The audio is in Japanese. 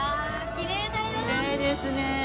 きれいですね。